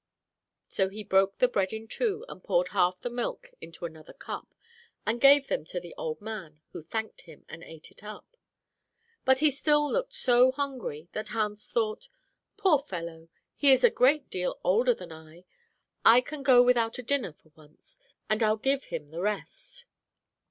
So he broke the bread in two, and poured half the milk into another cup, and gave them to the old man, who thanked him, and ate it up. But he still looked so hungry, that Hans thought, 'Poor fellow, he is a great deal older than I. I can go without a dinner for once, and I'll give him the rest.'